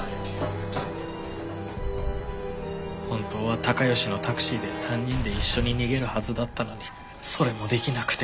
本当は孝良のタクシーで３人で一緒に逃げるはずだったのにそれもできなくて。